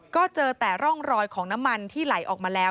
ก็เจอแต่ร่องรอยของน้ำมันที่ไหลออกมาแล้ว